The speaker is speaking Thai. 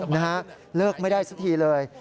นะฮะเลิกไม่ได้สักทีเลย